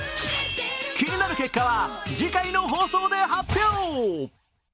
気になる結果は次回の放送で発表！